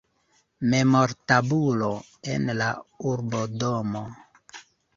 Memortabulo en la urbodomo.